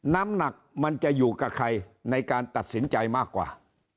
น้ำหนักมันจะอยู่กับใครในการตัดสินใจมากกว่า